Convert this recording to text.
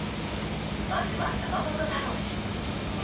まずは山本太郎氏。